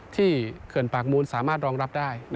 เขื่อนปากมูลสามารถรองรับได้